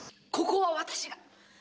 ここは私が！